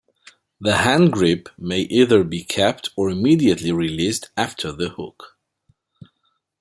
The hand grip may either be kept, or immediately released after the hook.